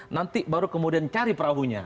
nanti baru kemudian cari perahunya